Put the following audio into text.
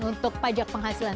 untuk pajak penghasilan